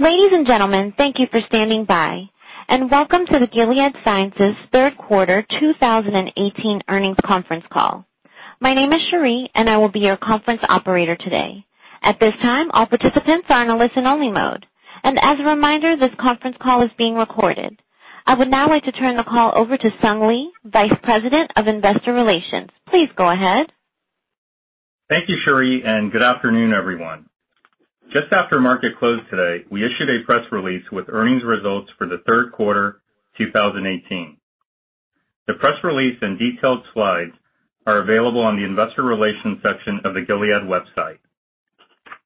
Ladies and gentlemen, thank you for standing by and welcome to the Gilead Sciences third quarter 2018 earnings conference call. My name is Cherie and I will be your conference operator today. At this time, all participants are in a listen-only mode. As a reminder, this conference call is being recorded. I would now like to turn the call over to Sung Lee, Vice President of Investor Relations. Please go ahead. Thank you, Cherie, and good afternoon, everyone. Just after market close today, we issued a press release with earnings results for the third quarter 2018. The press release and detailed slides are available on the investor relations section of the Gilead website.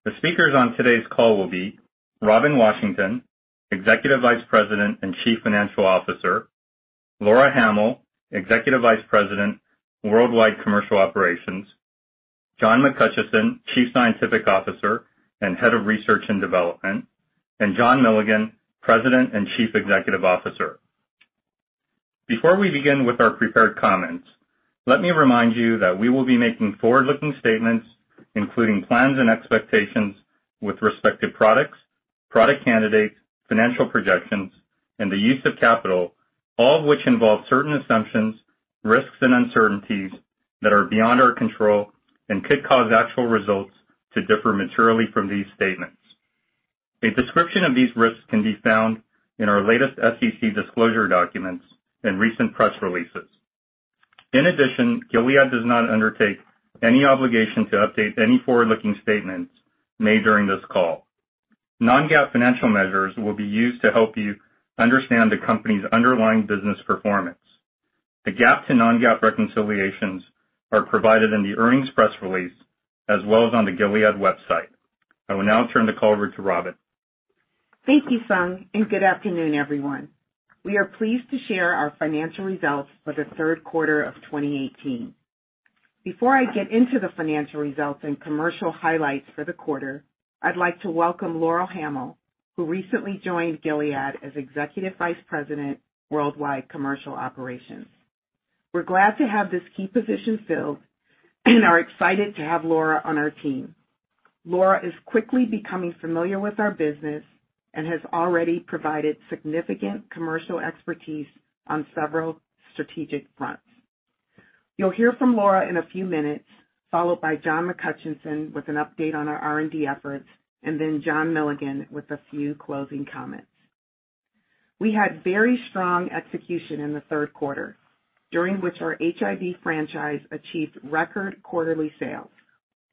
The speakers on today's call will be Robin Washington, Executive Vice President and Chief Financial Officer, Laura Hamill, Executive Vice President, Worldwide Commercial Operations, John McHutchison, Chief Scientific Officer and Head of Research and Development, and John Milligan, President and Chief Executive Officer. Before we begin with our prepared comments, let me remind you that we will be making forward-looking statements, including plans and expectations with respect to products, product candidates, financial projections, and the use of capital, all of which involve certain assumptions, risks, and uncertainties that are beyond our control and could cause actual results to differ materially from these statements. A description of these risks can be found in our latest SEC disclosure documents and recent press releases. In addition, Gilead does not undertake any obligation to update any forward-looking statements made during this call. Non-GAAP financial measures will be used to help you understand the company's underlying business performance. The GAAP to non-GAAP reconciliations are provided in the earnings press release as well as on the Gilead website. I will now turn the call over to Robin. Thank you, Sung, and good afternoon, everyone. We are pleased to share our financial results for the third quarter of 2018. Before I get into the financial results and commercial highlights for the quarter, I'd like to welcome Laura Hamill, who recently joined Gilead as Executive Vice President, Worldwide Commercial Operations. We're glad to have this key position filled and are excited to have Laura on our team. Laura is quickly becoming familiar with our business and has already provided significant commercial expertise on several strategic fronts. You'll hear from Laura in a few minutes, followed by John McHutchison with an update on our R&D efforts, then John Milligan with a few closing comments. We had very strong execution in the third quarter, during which our HIV franchise achieved record quarterly sales.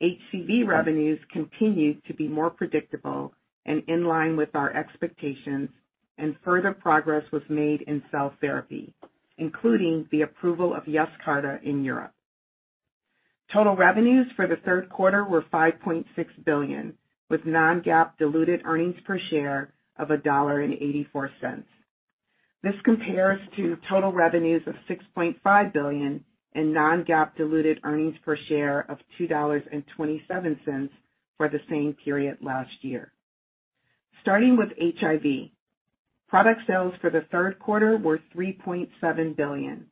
HCV revenues continued to be more predictable and in line with our expectations. Further progress was made in cell therapy, including the approval of Yescarta in Europe. Total revenues for the third quarter were $5.6 billion, with non-GAAP diluted earnings per share of $1.84. This compares to total revenues of $6.5 billion and non-GAAP diluted earnings per share of $2.27 for the same period last year. Starting with HIV, product sales for the third quarter were $3.7 billion,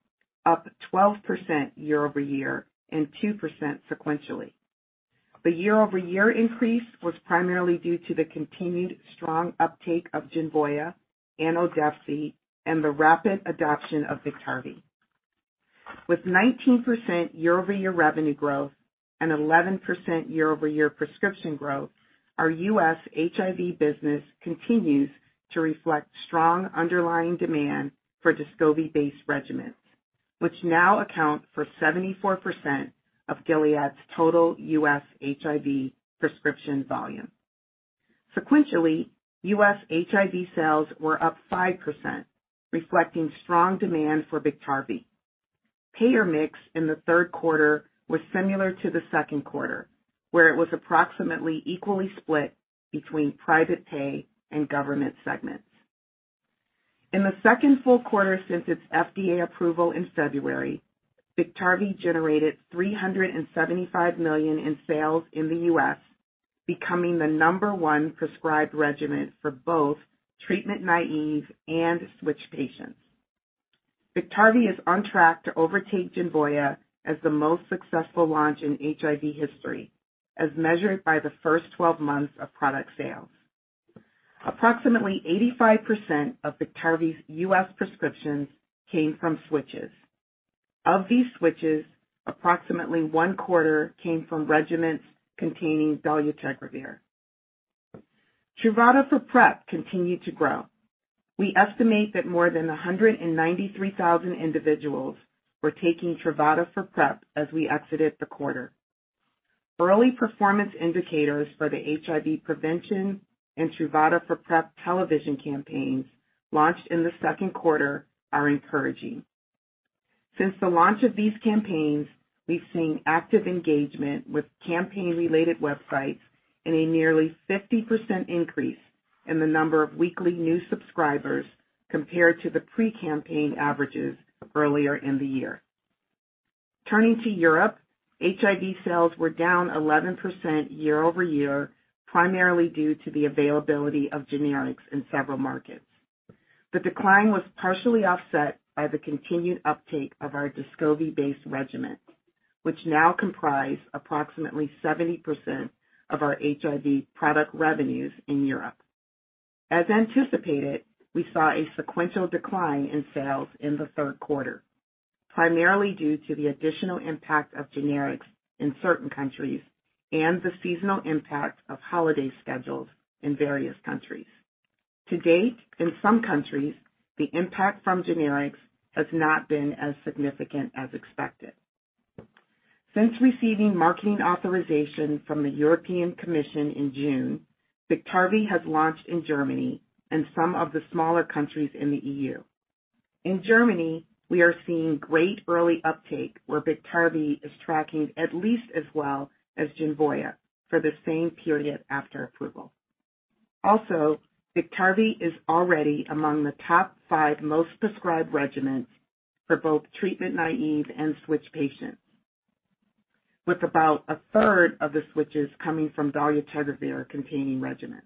up 12% year-over-year and 2% sequentially. The year-over-year increase was primarily due to the continued strong uptake of Genvoya and Odefsey and the rapid adoption of Biktarvy. With 19% year-over-year revenue growth and 11% year-over-year prescription growth, our U.S. HIV business continues to reflect strong underlying demand for DESCOVY-based regimens, which now account for 74% of Gilead's total U.S. HIV prescription volume. Sequentially, U.S. HIV sales were up 5%, reflecting strong demand for Biktarvy. Payer mix in the third quarter was similar to the second quarter, where it was approximately equally split between private pay and government segments. In the second full quarter since its FDA approval in February, Biktarvy generated $375 million in sales in the U.S., becoming the number 1 prescribed regimen for both treatment naive and switch patients. Biktarvy is on track to overtake Genvoya as the most successful launch in HIV history, as measured by the first 12 months of product sales. Approximately 85% of Biktarvy's U.S. prescriptions came from switches. Of these switches, approximately one-quarter came from regimens containing dolutegravir. Truvada for PrEP continued to grow. We estimate that more than 193,000 individuals were taking Truvada for PrEP as we exited the quarter. Early performance indicators for the HIV prevention and Truvada for PrEP television campaigns launched in the second quarter are encouraging. Since the launch of these campaigns, we've seen active engagement with campaign-related websites and a nearly 50% increase in the number of weekly new subscribers compared to the pre-campaign averages earlier in the year. Turning to Europe, HIV sales were down 11% year-over-year, primarily due to the availability of generics in several markets. The decline was partially offset by the continued uptake of our DESCOVY-based regimen, which now comprise approximately 70% of our HIV product revenues in Europe. As anticipated, we saw a sequential decline in sales in the third quarter, primarily due to the additional impact of generics in certain countries and the seasonal impact of holiday schedules in various countries. To date, in some countries, the impact from generics has not been as significant as expected. Since receiving marketing authorization from the European Commission in June, Biktarvy has launched in Germany and some of the smaller countries in the EU. In Germany, we are seeing great early uptake where Biktarvy is tracking at least as well as Genvoya for the same period after approval. Biktarvy is already among the top 5 most prescribed regimens for both treatment naive and switch patients, with about a third of the switches coming from dolutegravir-containing regimens.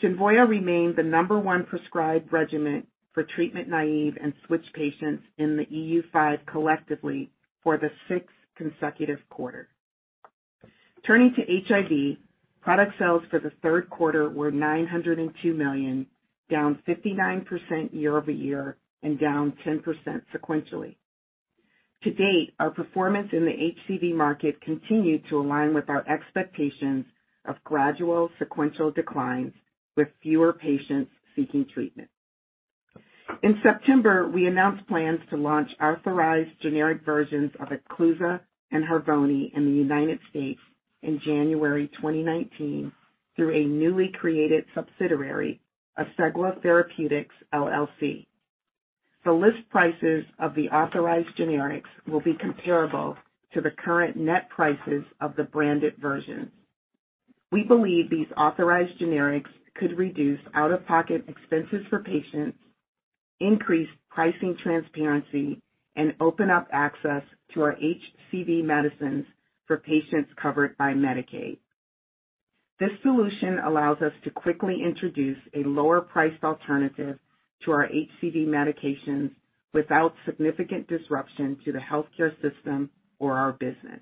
Genvoya remained the number 1 prescribed regimen for treatment naive and switch patients in the EU 5 collectively for the sixth consecutive quarter. Turning to HCV, product sales for the third quarter were $902 million, down 59% year-over-year and down 10% sequentially. To date, our performance in the HCV market continued to align with our expectations of gradual sequential declines with fewer patients seeking treatment. In September, we announced plans to launch authorized generic versions of EPCLUSA and Harvoni in the United States in January 2019 through a newly created subsidiary of Asegua Therapeutics LLC. The list prices of the authorized generics will be comparable to the current net prices of the branded version. We believe these authorized generics could reduce out-of-pocket expenses for patients, increase pricing transparency, and open up access to our HCV medicines for patients covered by Medicaid. This solution allows us to quickly introduce a lower priced alternative to our HCV medications without significant disruption to the healthcare system or our business.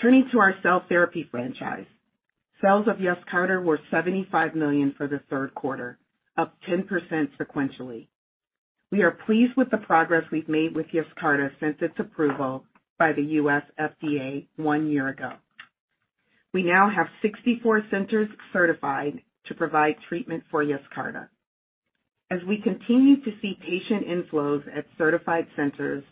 Turning to our cell therapy franchise, sales of Yescarta were $75 million for the third quarter, up 10% sequentially. We are pleased with the progress we've made with Yescarta since its approval by the U.S. FDA one year ago. We now have 64 centers certified to provide treatment for Yescarta. As we continue to see patient inflows at certified centers,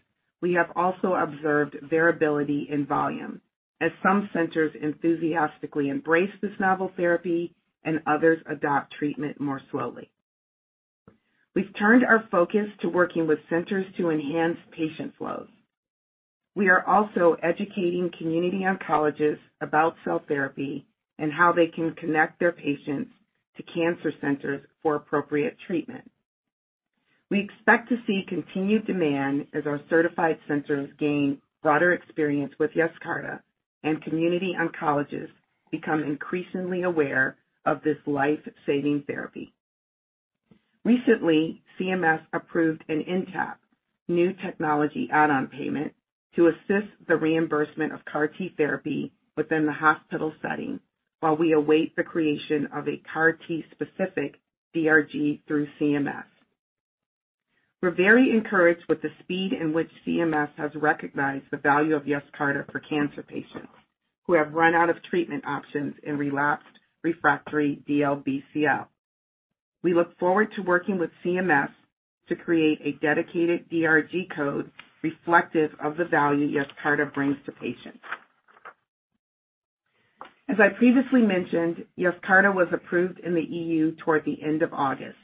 we have also observed variability in volume as some centers enthusiastically embrace this novel therapy and others adopt treatment more slowly. We've turned our focus to working with centers to enhance patient flows. We are also educating community oncologists about cell therapy and how they can connect their patients to cancer centers for appropriate treatment. We expect to see continued demand as our certified centers gain broader experience with Yescarta and community oncologists become increasingly aware of this life-saving therapy. Recently, CMS approved an NTAP, new technology add-on payment, to assist the reimbursement of CAR T therapy within the hospital setting while we await the creation of a CAR T specific DRG through CMS. We're very encouraged with the speed in which CMS has recognized the value of Yescarta for cancer patients who have run out of treatment options in relapsed/refractory DLBCL. We look forward to working with CMS to create a dedicated DRG code reflective of the value Yescarta brings to patients. As I previously mentioned, Yescarta was approved in the EU toward the end of August.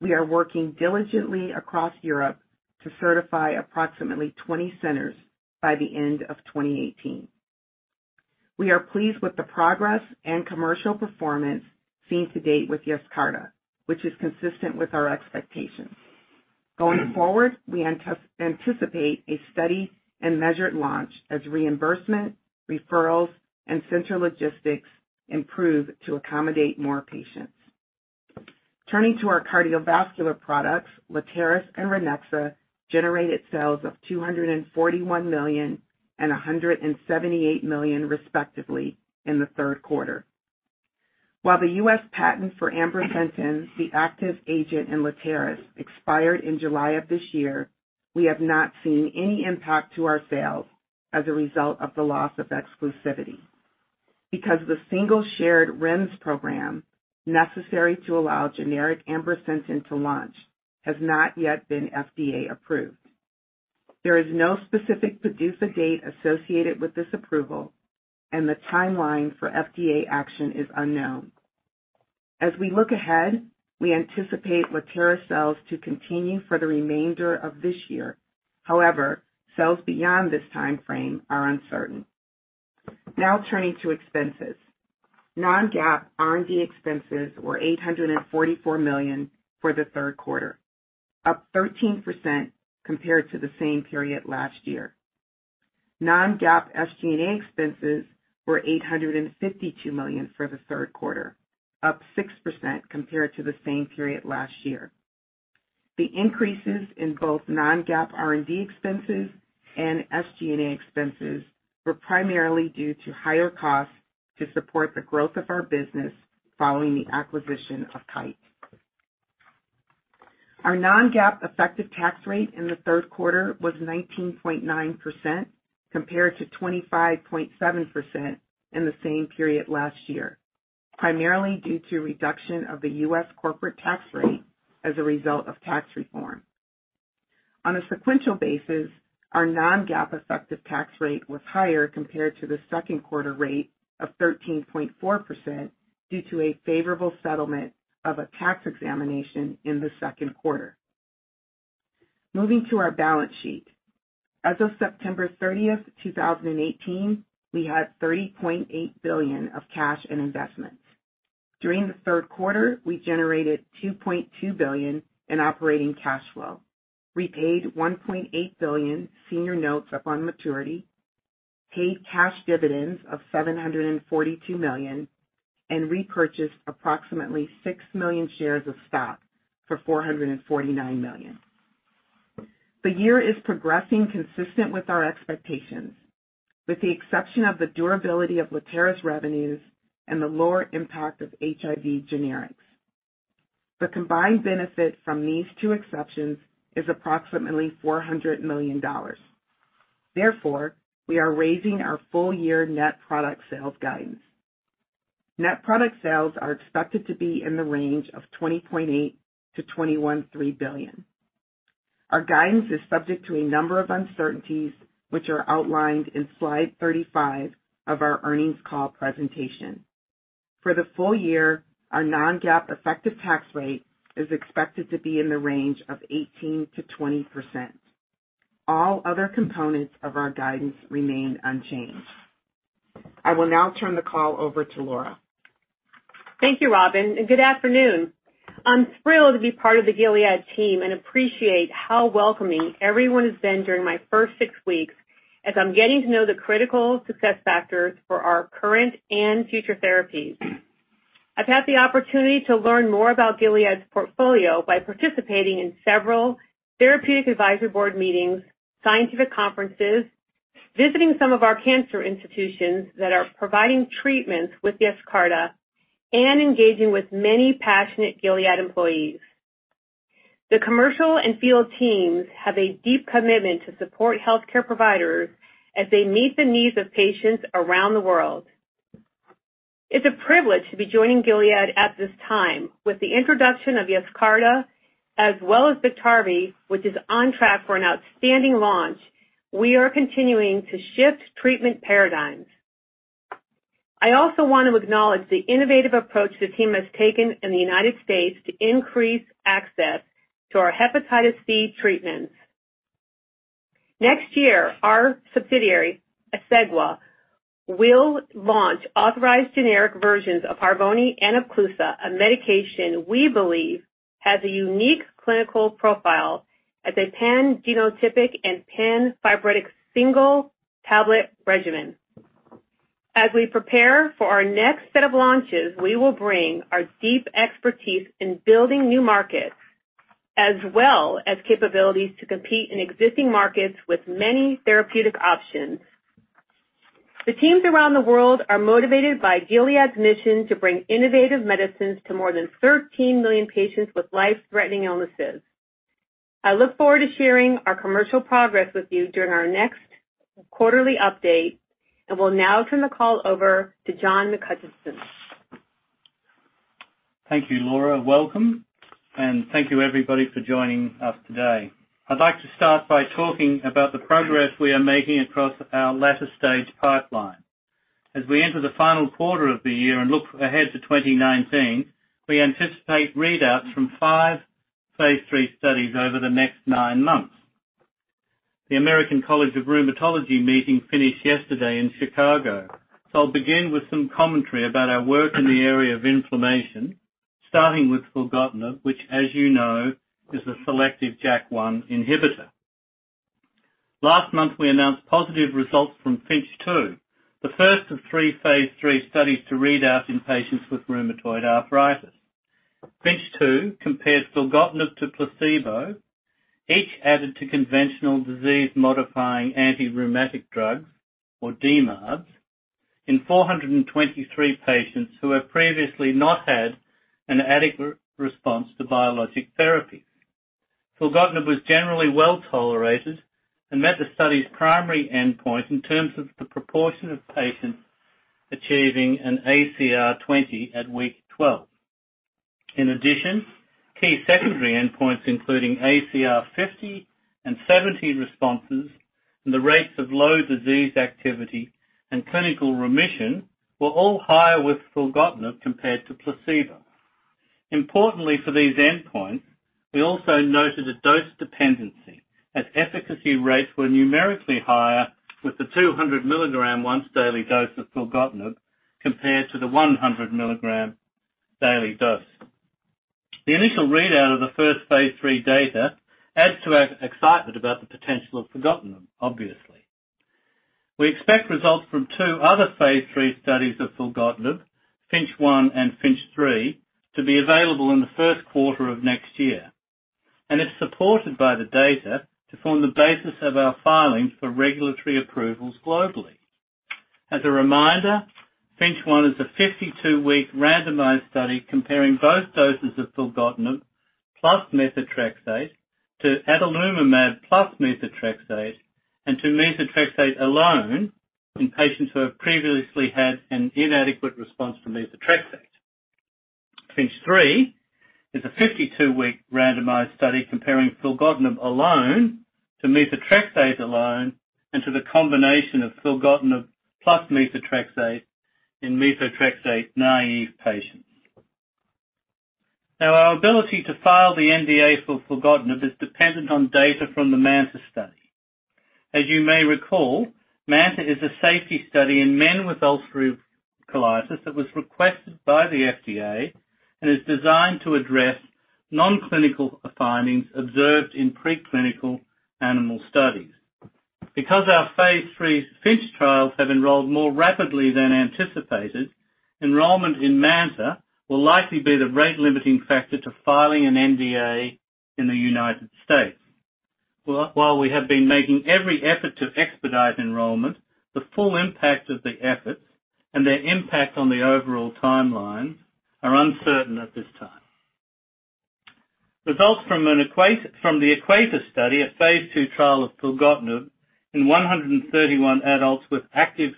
We are working diligently across Europe to certify approximately 20 centers by the end of 2018. We are pleased with the progress and commercial performance seen to date with Yescarta, which is consistent with our expectations. Going forward, we anticipate a steady and measured launch as reimbursement, referrals, and center logistics improve to accommodate more patients. Turning to our cardiovascular products, Letairis and Ranexa generated sales of $241 million and $178 million, respectively, in the third quarter. While the U.S. patent for ambrisentan, the active agent in Letairis, expired in July of this year, we have not seen any impact to our sales as a result of the loss of exclusivity because the single shared REMS program necessary to allow generic ambrisentan to launch has not yet been FDA approved. There is no specific PDUFA date associated with this approval, and the timeline for FDA action is unknown. As we look ahead, we anticipate Letairis sales to continue for the remainder of this year. However, sales beyond this timeframe are uncertain. Now turning to expenses. Non-GAAP R&D expenses were $844 million for the third quarter, up 13% compared to the same period last year. Non-GAAP SG&A expenses were $852 million for the third quarter, up 6% compared to the same period last year. The increases in both non-GAAP R&D expenses and SG&A expenses were primarily due to higher costs to support the growth of our business following the acquisition of Kite. Our non-GAAP effective tax rate in the third quarter was 19.9%, compared to 25.7% in the same period last year, primarily due to reduction of the U.S. corporate tax rate as a result of tax reform. On a sequential basis, our non-GAAP effective tax rate was higher compared to the second quarter rate of 13.4% due to a favorable settlement of a tax examination in the second quarter. Moving to our balance sheet. As of September 30th, 2018, we had $30.8 billion of cash and investments. During the third quarter, we generated $2.2 billion in operating cash flow, repaid $1.8 billion senior notes upon maturity, paid cash dividends of $742 million, and repurchased approximately 6 million shares of stock for $449 million. The year is progressing consistent with our expectations. With the exception of the durability of Letairis revenues and the lower impact of HIV generics. The combined benefit from these two exceptions is approximately $400 million. Therefore, we are raising our full year net product sales guidance. Net product sales are expected to be in the range of $20.8 billion-$21.3 billion. Our guidance is subject to a number of uncertainties, which are outlined in slide 35 of our earnings call presentation. For the full year, our non-GAAP effective tax rate is expected to be in the range of 18%-20%. All other components of our guidance remain unchanged. I will now turn the call over to Laura. Thank you, Robin, and good afternoon. I'm thrilled to be part of the Gilead team and appreciate how welcoming everyone has been during my first six weeks, as I'm getting to know the critical success factors for our current and future therapies. I've had the opportunity to learn more about Gilead's portfolio by participating in several therapeutic advisory board meetings, scientific conferences, visiting some of our cancer institutions that are providing treatments with Yescarta, and engaging with many passionate Gilead employees. The commercial and field teams have a deep commitment to support healthcare providers as they meet the needs of patients around the world. It's a privilege to be joining Gilead at this time. With the introduction of Yescarta, as well as Biktarvy, which is on track for an outstanding launch, we are continuing to shift treatment paradigms. I also want to acknowledge the innovative approach the team has taken in the U.S. to increase access to our hepatitis C treatments. Next year, our subsidiary, Asegua, will launch authorized generic versions of Harvoni and Epclusa, a medication we believe has a unique clinical profile as a pan-genotypic and pan-fibrotic single-tablet regimen. As we prepare for our next set of launches, we will bring our deep expertise in building new markets, as well as capabilities to compete in existing markets with many therapeutic options. The teams around the world are motivated by Gilead's mission to bring innovative medicines to more than 13 million patients with life-threatening illnesses. I look forward to sharing our commercial progress with you during our next quarterly update, and will now turn the call over to John McHutchison. Thank you, Laura. Welcome, and thank you everybody for joining us today. I'd like to start by talking about the progress we are making across our latter stage pipeline. As we enter the final quarter of the year and look ahead to 2019, we anticipate readouts from 5 phase III studies over the next nine months. The American College of Rheumatology meeting finished yesterday in Chicago. I'll begin with some commentary about our work in the area of inflammation, starting with filgotinib, which, as you know, is a selective JAK1 inhibitor. Last month, we announced positive results from FINCH 2, the first of 3 phase III studies to readout in patients with rheumatoid arthritis. FINCH 2 compares filgotinib to placebo, each added to conventional disease-modifying antirheumatic drugs or DMARDs, in 423 patients who have previously not had an adequate response to biologic therapy. Filgotinib was generally well-tolerated and met the study's primary endpoint in terms of the proportion of patients achieving an ACR 20 at week 12. In addition, key secondary endpoints, including ACR 50 and 70 responses and the rates of low disease activity and clinical remission were all higher with filgotinib compared to placebo. Importantly for these endpoints, we also noted a dose dependency as efficacy rates were numerically higher with the 200 milligram once-daily dose of filgotinib compared to the 100 milligram daily dose. The initial readout of the first phase III data adds to our excitement about the potential of filgotinib, obviously. We expect results from 2 other phase III studies of filgotinib, FINCH 1 and FINCH 3, to be available in the first quarter of next year, and it's supported by the data to form the basis of our filings for regulatory approvals globally. As a reminder, FINCH 1 is a 52-week randomized study comparing both doses of filgotinib plus methotrexate to adalimumab plus methotrexate and to methotrexate alone in patients who have previously had an inadequate response to methotrexate. FINCH 3 is a 52-week randomized study comparing filgotinib alone to methotrexate alone and to the combination of filgotinib plus methotrexate in methotrexate-naive patients. Our ability to file the NDA for filgotinib is dependent on data from the MANTA study. As you may recall, MANTA is a safety study in men with ulcerative colitis that was requested by the FDA and is designed to address non-clinical findings observed in pre-clinical animal studies. Because our phase III FINCH trials have enrolled more rapidly than anticipated, enrollment in MANTA will likely be the rate-limiting factor to filing an NDA in the United States. While we have been making every effort to expedite enrollment, the full impact of the efforts and their impact on the overall timeline are uncertain at this time. Results from the EQUATOR study, a phase II trial of filgotinib in 131 adults with active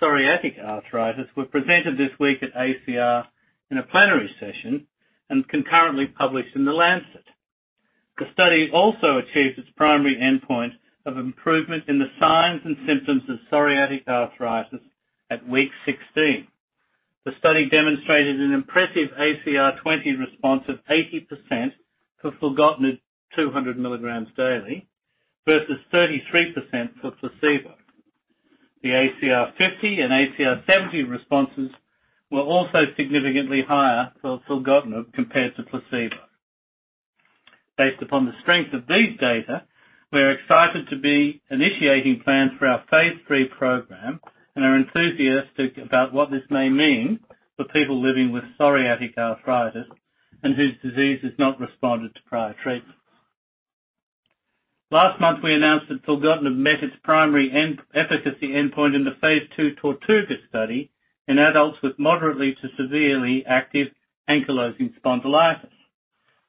psoriatic arthritis, were presented this week at ACR in a plenary session and concurrently published in "The Lancet." The study also achieved its primary endpoint of improvement in the signs and symptoms of psoriatic arthritis at week 16. The study demonstrated an impressive ACR 20 response of 80% for filgotinib 200 milligrams daily versus 33% for placebo. The ACR 50 and ACR 70 responses were also significantly higher for filgotinib compared to placebo. Based upon the strength of these data, we are excited to be initiating plans for our phase III program and are enthusiastic about what this may mean for people living with psoriatic arthritis and whose disease has not responded to prior treatments. Last month, we announced that filgotinib met its primary efficacy endpoint in the phase II TORTUGA study in adults with moderately to severely active ankylosing spondylitis.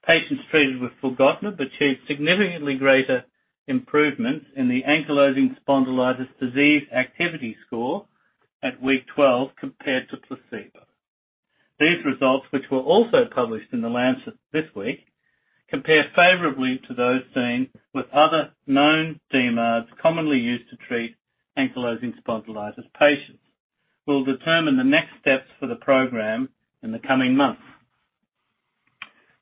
Patients treated with filgotinib achieved significantly greater improvements in the ankylosing spondylitis disease activity score at week 12 compared to placebo. These results, which were also published in "The Lancet" this week, compare favorably to those seen with other known DMARDs commonly used to treat ankylosing spondylitis patients. We'll determine the next steps for the program in the coming months.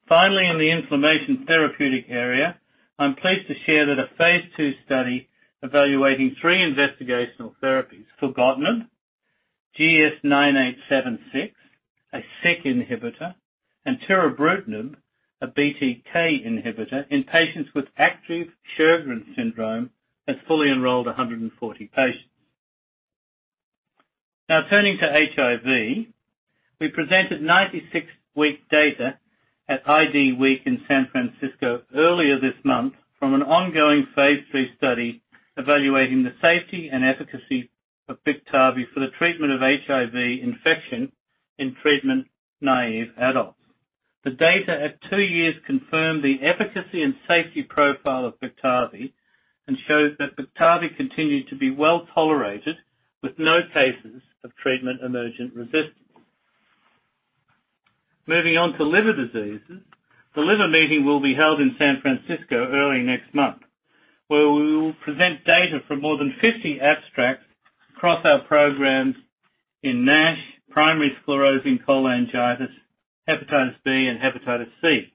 Finally, in the inflammation therapeutic area, I'm pleased to share that a phase II study evaluating three investigational therapies, filgotinib, GS-9876, a Syk inhibitor, and tirabrutinib, a BTK inhibitor in patients with active Sjögren's syndrome, has fully enrolled 140 patients. Now turning to HIV, we presented 96-week data at IDWeek in San Francisco earlier this month from an ongoing phase III study evaluating the safety and efficacy of BIKTARVY for the treatment of HIV infection in treatment-naive adults. The data at two years confirmed the efficacy and safety profile of BIKTARVY and showed that BIKTARVY continued to be well-tolerated with no cases of treatment-emergent resistance. Moving on to liver diseases, The Liver Meeting will be held in San Francisco early next month, where we will present data from more than 50 abstracts across our programs in NASH, primary sclerosing cholangitis, hepatitis B and hepatitis C.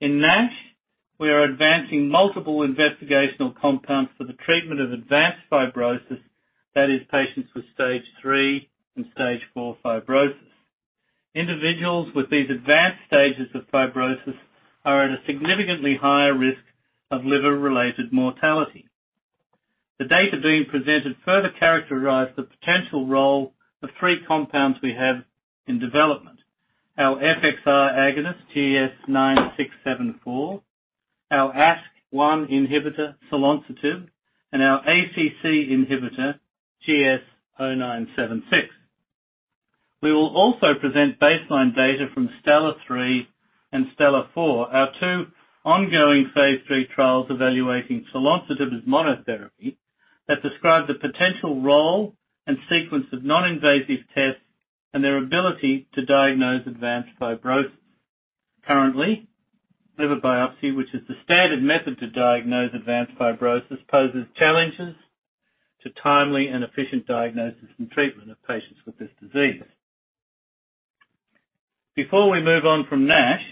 In NASH, we are advancing multiple investigational compounds for the treatment of advanced fibrosis, that is, patients with Stage 3 and Stage 4 fibrosis. Individuals with these advanced stages of fibrosis are at a significantly higher risk of liver-related mortality. The data being presented further characterize the potential role of three compounds we have in development. Our FXR agonist, GS-9674, our ASK1 inhibitor, selonsertib, and our ACC inhibitor, GS-0976. We will also present baseline data from STELLAR-3 and STELLAR-4, our two ongoing phase III trials evaluating selonsertib as monotherapy that describe the potential role and sequence of non-invasive tests and their ability to diagnose advanced fibrosis. Currently, liver biopsy, which is the standard method to diagnose advanced fibrosis, poses challenges to timely and efficient diagnosis and treatment of patients with this disease. Before we move on from NASH,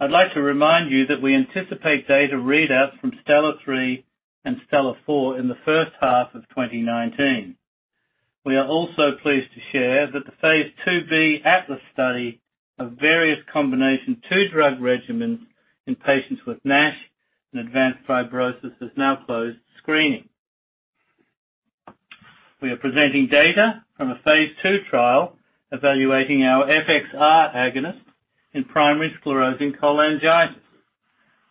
I'd like to remind you that we anticipate data readouts from STELLAR-3 and STELLAR-4 in the first half of 2019. We are also pleased to share that the phase IIb ATLAS study of various combination two-drug regimens in patients with NASH and advanced fibrosis has now closed screening. We are presenting data from a phase II trial evaluating our FXR agonist in primary sclerosing cholangitis.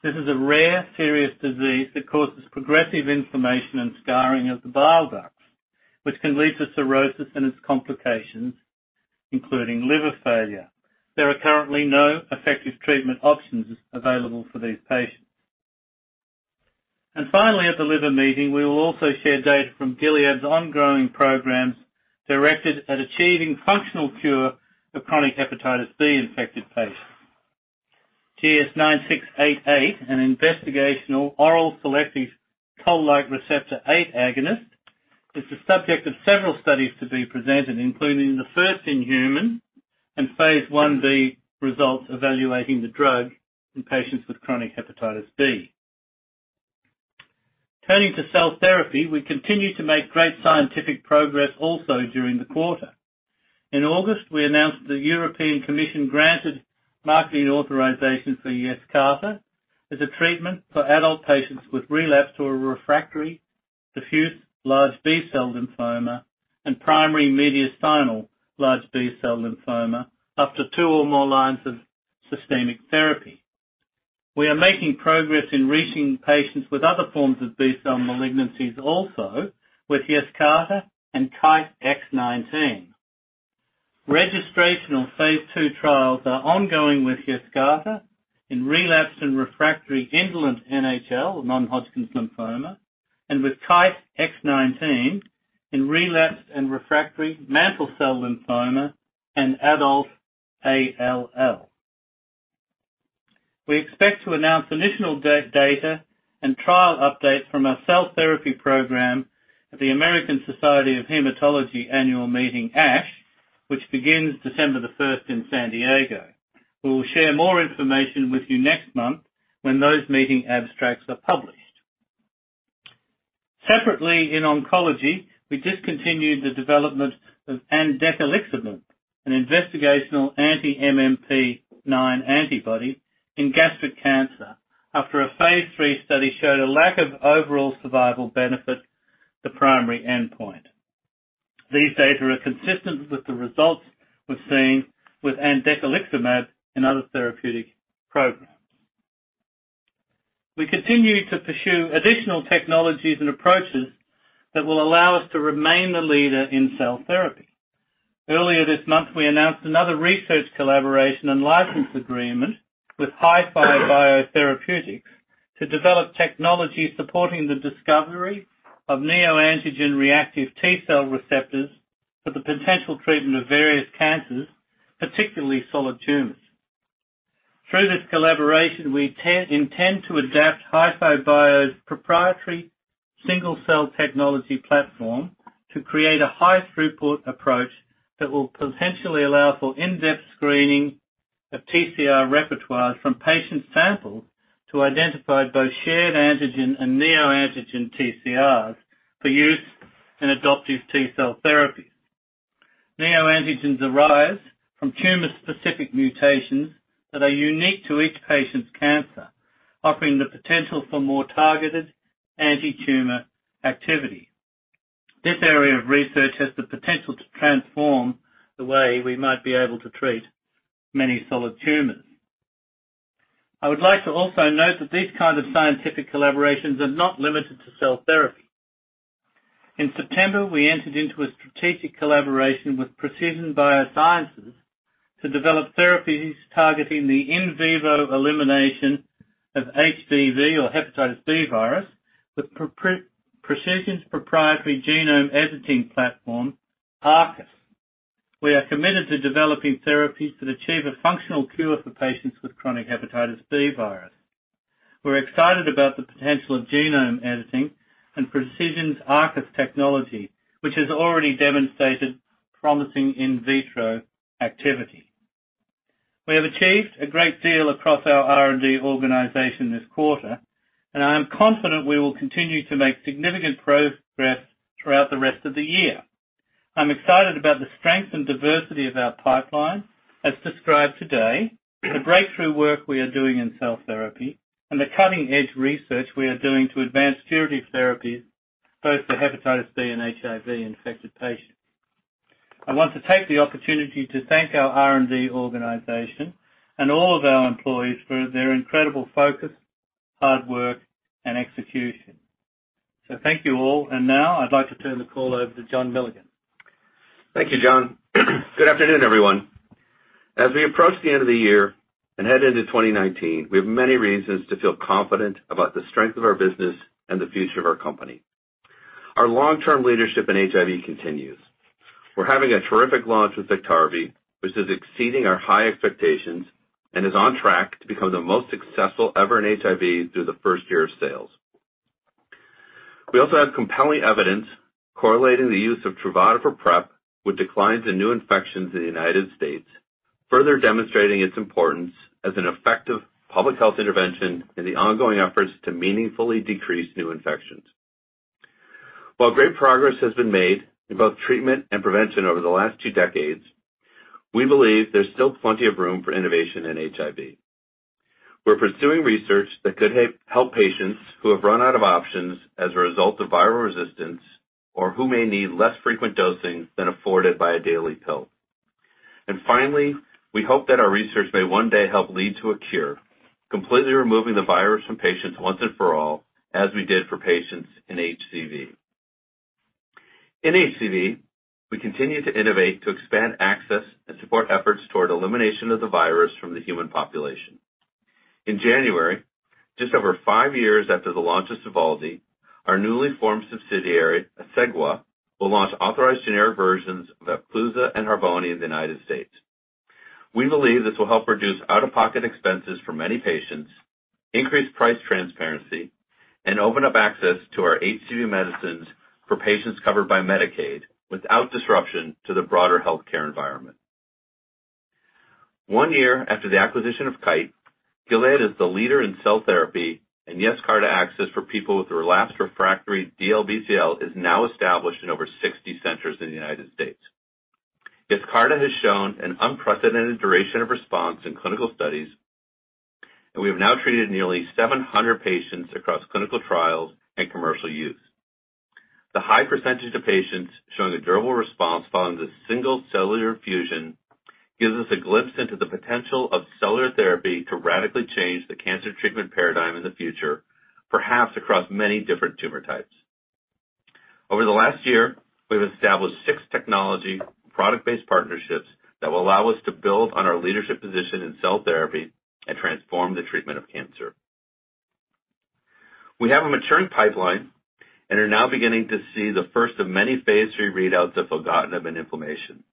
This is a rare serious disease that causes progressive inflammation and scarring of the bile ducts, which can lead to cirrhosis and its complications, including liver failure. There are currently no effective treatment options available for these patients. Finally, at The Liver Meeting, we will also share data from Gilead's ongoing programs directed at achieving functional cure of chronic hepatitis B-infected patients. GS-9688, an investigational oral selective toll-like receptor 8 agonist, is the subject of several studies to be presented, including the first in human and phase I-B results evaluating the drug in patients with chronic hepatitis B. Turning to cell therapy, we continue to make great scientific progress also during the quarter. In August, we announced the European Commission granted marketing authorization for Yescarta as a treatment for adult patients with relapsed or refractory diffuse large B-cell lymphoma and primary mediastinal large B-cell lymphoma after two or more lines of systemic therapy. We are making progress in reaching patients with other forms of B-cell malignancies also with Yescarta and KTE-X19. Registration on phase II trials are ongoing with Yescarta in relapse and refractory indolent NHL, non-Hodgkin's lymphoma, and with KTE-X19 in relapsed and refractory mantle cell lymphoma and adult ALL. We expect to announce initial data and trial updates from our cell therapy program at the American Society of Hematology annual meeting, ASH, which begins December the first in San Diego. We will share more information with you next month when those meeting abstracts are published. Separately, in oncology, we discontinued the development of andecaliximab, an investigational anti-MMP-9 antibody in gastric cancer after a phase III study showed a lack of overall survival benefit, the primary endpoint. These data are consistent with the results we've seen with andecaliximab in other therapeutic programs. We continue to pursue additional technologies and approaches that will allow us to remain the leader in cell therapy. Earlier this month, we announced another research collaboration and license agreement with HiFiBiO Therapeutics to develop technology supporting the discovery of neoantigen-reactive T cell receptors for the potential treatment of various cancers, particularly solid tumors. Through this collaboration, we intend to adapt HiFiBiO's proprietary single-cell technology platform to create a high throughput approach that will potentially allow for in-depth screening of TCR repertoires from patient samples to identify both shared antigen and neoantigen TCRs for use in adoptive T cell therapy. Neoantigens arise from tumor-specific mutations that are unique to each patient's cancer, offering the potential for more targeted anti-tumor activity. This area of research has the potential to transform the way we might be able to treat many solid tumors. I would like to also note that these kind of scientific collaborations are not limited to cell therapy. In September, we entered into a strategic collaboration with Precision BioSciences to develop therapies targeting the in vivo elimination of HBV or hepatitis B virus, with Precision's proprietary genome editing platform, ARCUS. We are committed to developing therapies that achieve a functional cure for patients with chronic hepatitis B virus. We're excited about the potential of genome editing and Precision's ARCUS technology, which has already demonstrated promising in vitro activity. We have achieved a great deal across our R&D organization this quarter, and I am confident we will continue to make significant progress throughout the rest of the year. I'm excited about the strength and diversity of our pipeline as described today, the breakthrough work we are doing in cell therapy, and the cutting-edge research we are doing to advance curative therapies both for hepatitis B and HIV-infected patients. I want to take the opportunity to thank our R&D organization and all of our employees for their incredible focus, hard work, and execution. Thank you all. Now I'd like to turn the call over to John Milligan. Thank you, John. Good afternoon, everyone. As we approach the end of the year and head into 2019, we have many reasons to feel confident about the strength of our business and the future of our company. Our long-term leadership in HIV continues. We're having a terrific launch with BIKTARVY, which is exceeding our high expectations and is on track to become the most successful ever in HIV through the first year of sales. We also have compelling evidence correlating the use of TRUVADA for PrEP with declines in new infections in the United States. Further demonstrating its importance as an effective public health intervention in the ongoing efforts to meaningfully decrease new infections. While great progress has been made in both treatment and prevention over the last two decades, we believe there's still plenty of room for innovation in HIV. We're pursuing research that could help patients who have run out of options as a result of viral resistance, or who may need less frequent dosing than afforded by a daily pill. Finally, we hope that our research may one day help lead to a cure, completely removing the virus from patients once and for all, as we did for patients in HCV. In HCV, we continue to innovate to expand access and support efforts toward elimination of the virus from the human population. In January, just over five years after the launch of Sovaldi, our newly formed subsidiary, Asegua, will launch authorized generic versions of EPCLUSA and Harvoni in the United States. We believe this will help reduce out-of-pocket expenses for many patients, increase price transparency, and open up access to our HCV medicines for patients covered by Medicaid without disruption to the broader healthcare environment. One year after the acquisition of Kite, Gilead is the leader in cell therapy, and Yescarta access for people with relapsed refractory DLBCL is now established in over 60 centers in the U.S. Yescarta has shown an unprecedented duration of response in clinical studies, and we have now treated nearly 700 patients across clinical trials and commercial use. The high percentage of patients showing a durable response following the single cellular infusion gives us a glimpse into the potential of cellular therapy to radically change the cancer treatment paradigm in the future, perhaps across many different tumor types. Over the last year, we've established six technology product-based partnerships that will allow us to build on our leadership position in cell therapy and transform the treatment of cancer. We have a maturing pipeline and are now beginning to see the first of many phase III readouts of filgotinib in inflammation.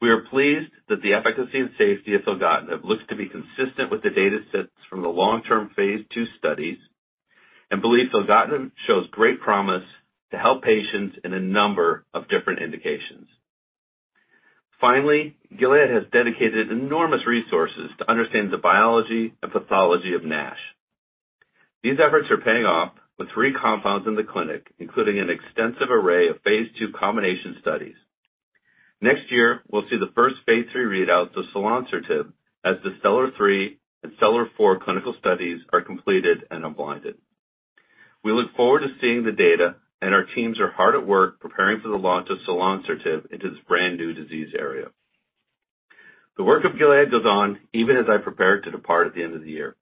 We are pleased that the efficacy and safety of filgotinib looks to be consistent with the data sets from the long-term phase II studies and believe filgotinib shows great promise to help patients in a number of different indications. Finally, Gilead has dedicated enormous resources to understand the biology and pathology of NASH. These efforts are paying off with three compounds in the clinic, including an extensive array of phase II combination studies. Next year, we'll see the first phase III readouts of selonsertib as the STELLAR-3 and STELLAR-4 clinical studies are completed and unblinded. We look forward to seeing the data, and our teams are hard at work preparing for the launch of selonsertib into this brand-new disease area. The work of Gilead goes on even as I prepare to depart at the end of the year.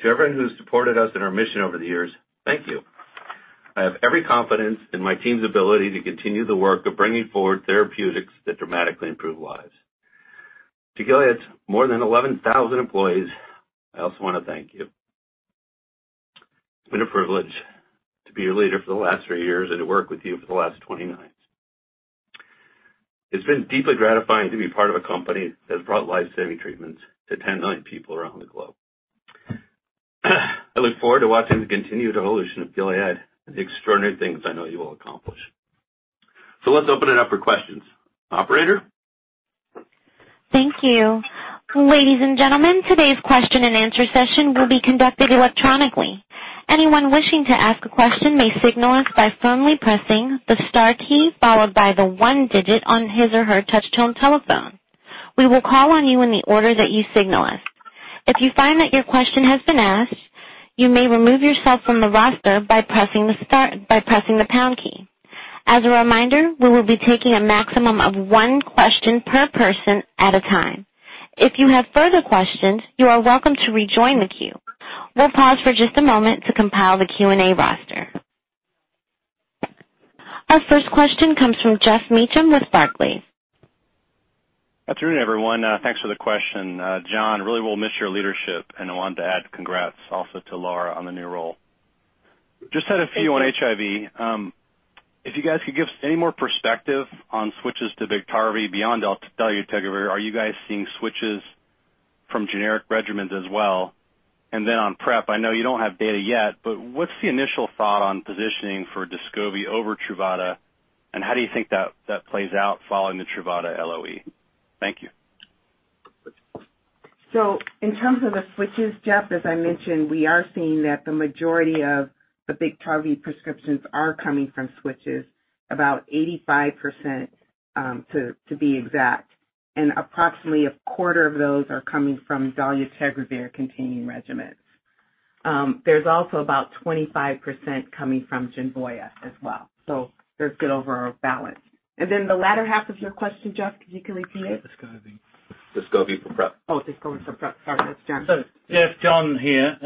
To everyone who's supported us in our mission over the years, thank you. I have every confidence in my team's ability to continue the work of bringing forward therapeutics that dramatically improve lives. To Gilead's more than 11,000 employees, I also want to thank you. It's been a privilege to be your leader for the last three years and to work with you for the last 29. It's been deeply gratifying to be part of a company that's brought life-saving treatments to 10 million people around the globe. I look forward to watching the continued evolution of Gilead and the extraordinary things I know you will accomplish. Let's open it up for questions. Operator? Thank you. Ladies and gentlemen, today's question and answer session will be conducted electronically. Anyone wishing to ask a question may signal us by firmly pressing the star key followed by the one digit on his or her touch-tone telephone. We will call on you in the order that you signal us. If you find that your question has been asked, you may remove yourself from the roster by pressing the pound key. As a reminder, we will be taking a maximum of one question per person at a time. If you have further questions, you are welcome to rejoin the queue. We'll pause for just a moment to compile the Q&A roster. Our first question comes from Geoffrey Meacham with Barclays. Good afternoon, everyone. Thanks for the question. John, really will miss your leadership. I wanted to add congrats also to Laura on the new role. Just had a few on HIV. If you guys could give any more perspective on switches to BIKTARVY beyond dolutegravir. Are you guys seeing switches from generic regimens as well? On PrEP, I know you don't have data yet, but what's the initial thought on positioning for DESCOVY over TRUVADA, and how do you think that plays out following the TRUVADA LOE? Thank you. In terms of the switches, Jeff, as I mentioned, we are seeing that the majority of the BIKTARVY prescriptions are coming from switches, about 85% to be exact. Approximately a quarter of those are coming from dolutegravir-containing regimens. There's also about 25% coming from Genvoya as well. There's good overall balance. The latter half of your question, Jeff, could you repeat it? Descovy. DESCOVY for PrEP. DESCOVY for PrEP. Sorry about that, Jeff. Jeff, John here.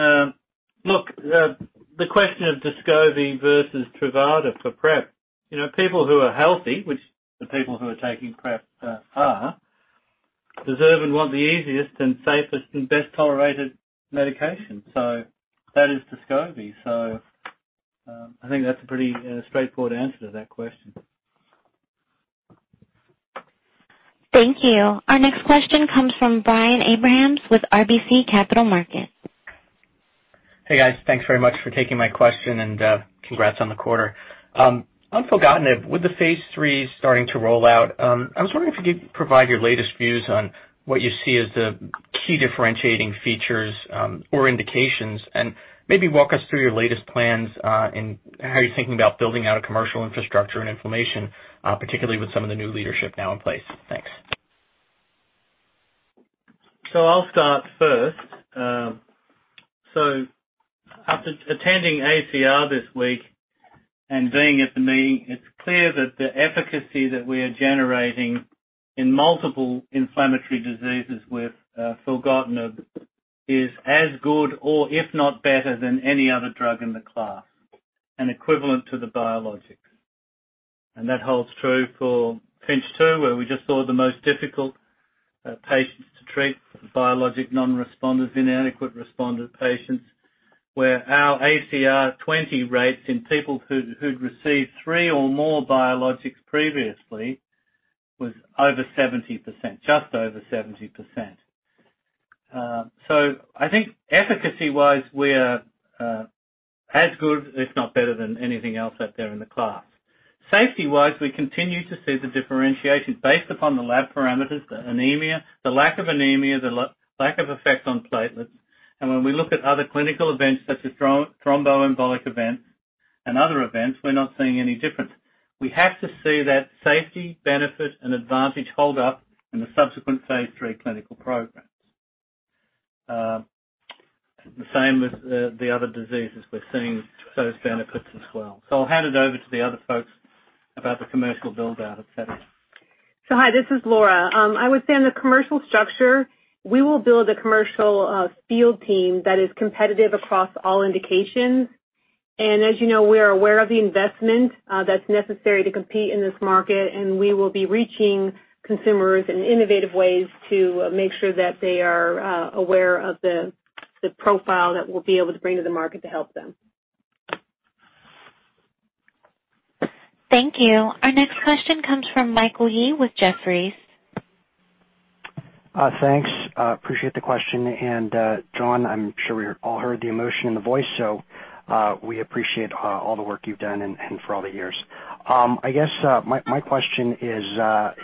Look, the question of Descovy versus TRUVADA for PrEP. People who are healthy, which the people who are taking PrEP are, deserve and want the easiest and safest and best-tolerated medication. That is DESCOVY. I think that's a pretty straightforward answer to that question. Thank you. Our next question comes from Brian Abrahams with RBC Capital Markets. Hey guys, thanks very much for taking my question and congrats on the quarter. On filgotinib, with the phase III starting to roll out, I was wondering if you could provide your latest views on what you see as the key differentiating features or indications, and maybe walk us through your latest plans and how you're thinking about building out a commercial infrastructure and inflammation, particularly with some of the new leadership now in place. Thanks. I'll start first. After attending ACR this week and being at the meeting, it's clear that the efficacy that we are generating in multiple inflammatory diseases with filgotinib is as good or if not better than any other drug in the class, and equivalent to the biologics. That holds true for FINCH 2, where we just saw the most difficult patients to treat, biologic non-responders, inadequate responder patients, where our ACR 20 rates in people who'd received three or more biologics previously was over 70%, just over 70%. I think efficacy-wise, we're as good if not better than anything else out there in the class. Safety-wise, we continue to see the differentiation based upon the lab parameters, the anemia, the lack of anemia, the lack of effect on platelets. When we look at other clinical events such as thromboembolic events and other events, we're not seeing any difference. We have to see that safety, benefit, and advantage hold up in the subsequent phase III clinical programs. The same with the other diseases. We're seeing those benefits as well. I'll hand it over to the other folks about the commercial build-out et cetera. Hi, this is Laura. I would say on the commercial structure, we will build a commercial field team that is competitive across all indications. As you know, we are aware of the investment that's necessary to compete in this market, and we will be reaching consumers in innovative ways to make sure that they are aware of the profile that we'll be able to bring to the market to help them. Thank you. Our next question comes from Michael Yee with Jefferies. Thanks. Appreciate the question. John, I'm sure we all heard the emotion in the voice, so we appreciate all the work you've done and for all the years. I guess my question is,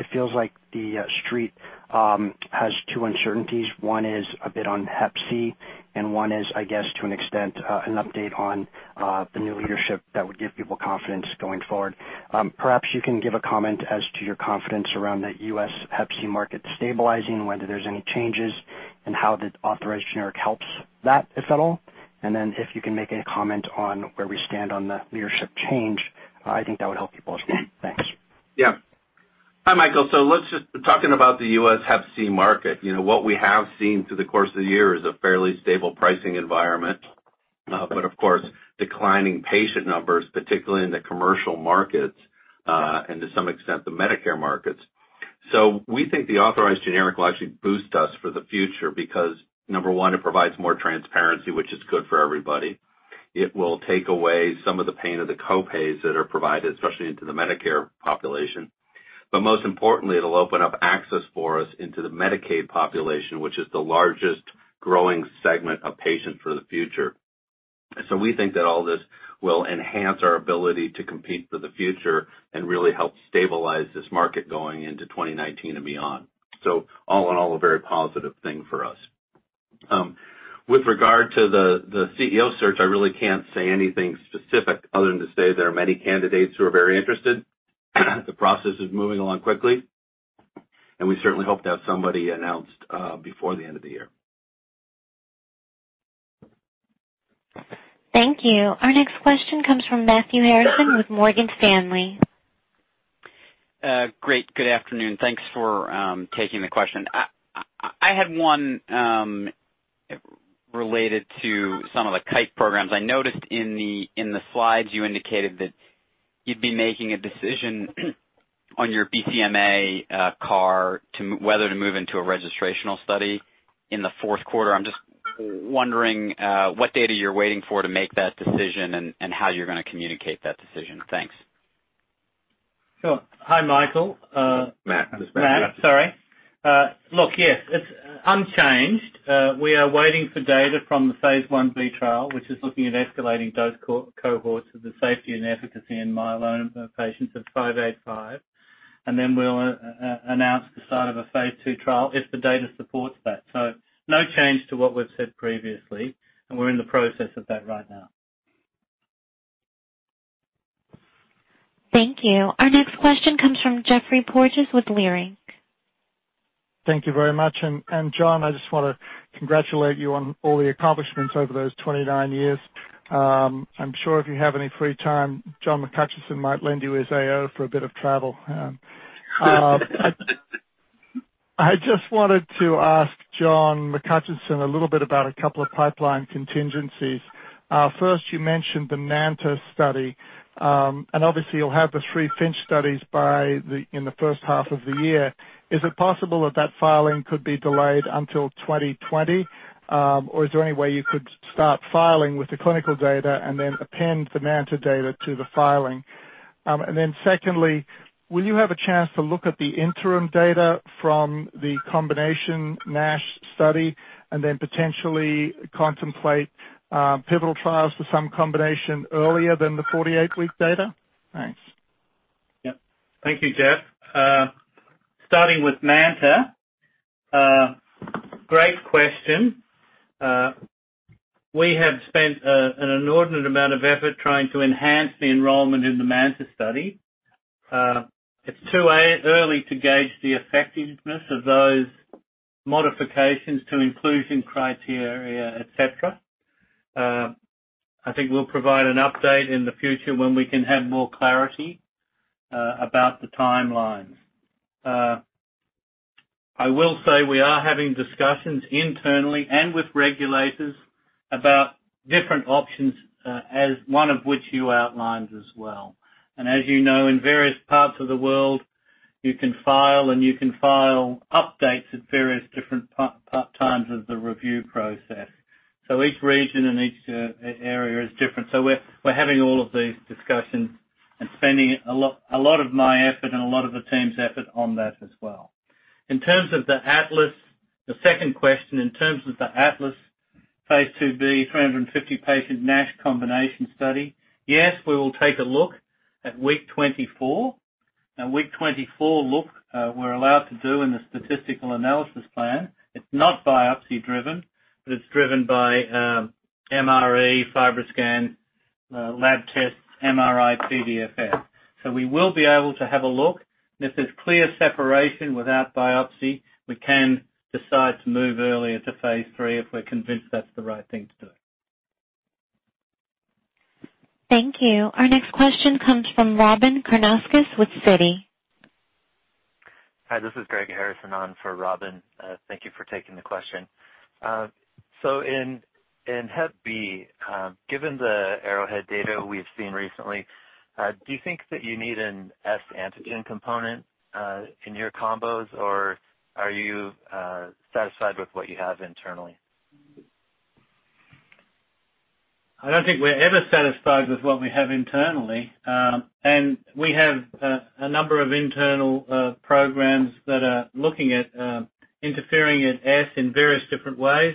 it feels like the Street has two uncertainties. One is a bit on Hep C, and one is, I guess to an extent, an update on the new leadership that would give people confidence going forward. Perhaps you can give a comment as to your confidence around the U.S. Hep C market stabilizing, whether there's any changes, and how the authorized generic helps that, if at all. Then if you can make any comment on where we stand on the leadership change, I think that would help people as well. Thanks. Hi, Michael. Let's just, talking about the U.S. HCV market. What we have seen through the course of the year is a fairly stable pricing environment, but of course, declining patient numbers, particularly in the commercial markets, and to some extent, the Medicare markets. We think the authorized generic will actually boost us for the future because, number one, it provides more transparency, which is good for everybody. It will take away some of the pain of the co-pays that are provided, especially into the Medicare population. But most importantly, it will open up access for us into the Medicaid population, which is the largest growing segment of patients for the future. We think that all this will enhance our ability to compete for the future and really help stabilize this market going into 2019 and beyond. All in all, a very positive thing for us. With regard to the CEO search, I really can't say anything specific other than to say there are many candidates who are very interested. The process is moving along quickly, and we certainly hope to have somebody announced before the end of the year. Thank you. Our next question comes from Matthew Harrison with Morgan Stanley. Great. Good afternoon. Thanks for taking the question. I had one related to some of the Kite programs. I noticed in the slides you indicated that you'd be making a decision on your BCMA CAR, whether to move into a registrational study in the fourth quarter. I'm just wondering what data you're waiting for to make that decision and how you're going to communicate that decision. Thanks. Sure. Hi, Michael. Matt. Matt, sorry. Look, yes, it's unchanged. We are waiting for data from the phase I-B trial, which is looking at escalating dose cohorts of the safety and efficacy in myeloma patients of bb2121. Then we'll announce the start of a phase II trial if the data supports that. No change to what we've said previously, and we're in the process of that right now. Thank you. Our next question comes from Geoffrey Porges with Leerink. Thank you very much. John, I just want to congratulate you on all the accomplishments over those 29 years. I'm sure if you have any free time, John McHutchison might lend you his IO for a bit of travel. I just wanted to ask John McHutchison a little bit about a couple of pipeline contingencies. First, you mentioned the MANTA study, and obviously you'll have the three FINCH studies in the first half of the year. Is it possible that that filing could be delayed until 2020? Is there any way you could start filing with the clinical data and then append the MANTA data to the filing? Then secondly, will you have a chance to look at the interim data from the combination NASH study and then potentially contemplate pivotal trials for some combination earlier than the 48-week data? Thanks. Yep. Thank you, Geoffrey. Starting with MANTA, great question. We have spent an inordinate amount of effort trying to enhance the enrollment in the MANTA study. It's too early to gauge the effectiveness of those modifications to inclusion criteria, et cetera. I think we'll provide an update in the future when we can have more clarity about the timelines. I will say we are having discussions internally and with regulators about different options, as one of which you outlined as well. As you know, in various parts of the world, you can file and you can file updates at various different times of the review process. Each region and each area is different. We're having all of these discussions and spending a lot of my effort and a lot of the team's effort on that as well. In terms of the ATLAS, the second question, in terms of the ATLAS phase II-B 350-patient NASH combination study, yes, we will take a look at week 24. A week 24 look, we're allowed to do in the statistical analysis plan. It's not biopsy driven, but it's driven by MRE, FibroScan, lab tests, MRI, PDFF. We will be able to have a look, and if there's clear separation without biopsy, we can decide to move earlier to phase III if we're convinced that's the right thing to do. Thank you. Our next question comes from Robyn Karnauskas with Citi. Hi, this is Greg Harrison on for Robyn. Thank you for taking the question. In hep B, given the Arrowhead data we've seen recently, do you think that you need an S antigen component, in your combos or are you satisfied with what you have internally? I don't think we're ever satisfied with what we have internally. We have a number of internal programs that are looking at interfering at S antigen in various different ways,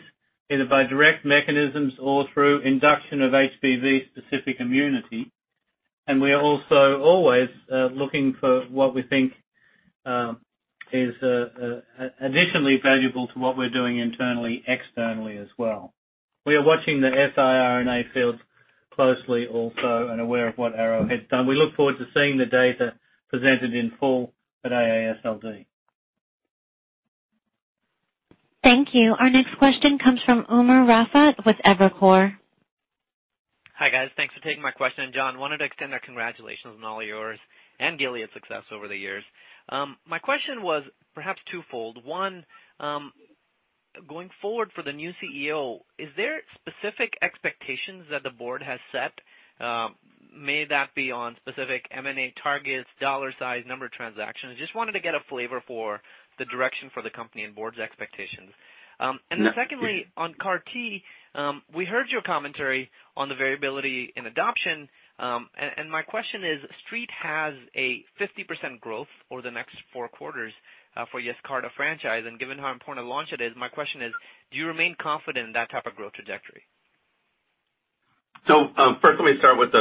either by direct mechanisms or through induction of HBV-specific immunity. We are also always looking for what we think is additionally valuable to what we're doing internally, externally as well. We are watching the siRNA field closely also and aware of what Arrowhead's done. We look forward to seeing the data presented in full at AASLD. Thank you. Our next question comes from Umer Raffat with Evercore. Hi, guys. Thanks for taking my question. John, wanted to extend our congratulations on all yours and Gilead's success over the years. My question was perhaps twofold. One, going forward for the new CEO, is there specific expectations that the board has set? May that be on specific M&A targets, dollar size, number transactions? Just wanted to get a flavor for the direction for the company and board's expectations. Secondly, on CAR T, we heard your commentary on the variability in adoption. My question is, Street has a 50% growth over the next 4 quarters, for Yescarta franchise. Given how important a launch it is, my question is, do you remain confident in that type of growth trajectory? First, let me start with